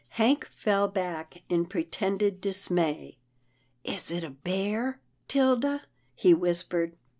Hank fell back in pretended dismay. " Is it a bear, 'Tilda? " he whispered.